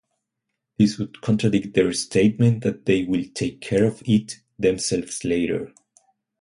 This would contradict their statement that they will take care of it themselves later.